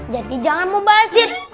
jadi jangan mau bazir